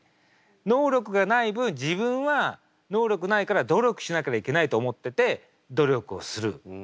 能力がない分自分は能力ないから努力しなきゃいけないと思ってて努力をする。